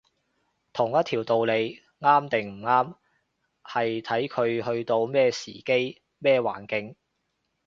同一條道理啱定唔啱，係睇佢去到咩時機，咩環境